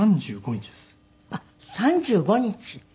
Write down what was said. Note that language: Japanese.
あっ３５日？